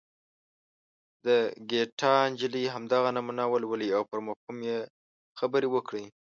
د ګیتا نجلي همدغه نمونه ولولئ او پر مفهوم یې خبرې وکړئ.